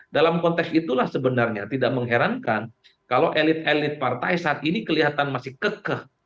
dalam konteks itulah sebenarnya tidak mengherankan kalau elit elit partai saat ini kelihatan masih kekeh